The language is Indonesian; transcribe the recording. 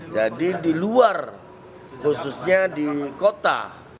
jadi di luar khususnya di kota